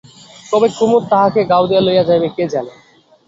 কবে কুমুদ তাহাকে গাওদিয়ায় লাইয়া যাইবে কে জানে!